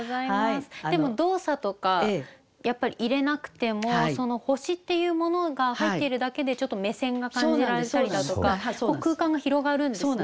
でも動作とかやっぱり入れなくても星っていうものが入っているだけでちょっと目線が感じられたりだとか空間が広がるんですね。